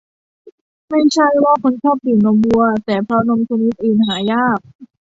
ไม่ใช่ว่าคนชอบดื่มนมวัว แต่เพราะนมชนิดอื่นหายาก